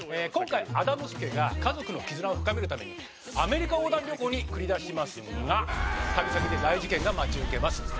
今回アダムス家が家族の絆を深めるためにアメリカ横断旅行に繰り出しますが旅先で大事件が待ち受けます。